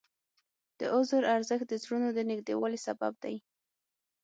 د عذر ارزښت د زړونو د نږدېوالي سبب دی.